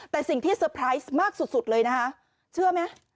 แต่สิ่งที่เตอร์ไพรส์มากสุดเลยนะคะเชื่อไหม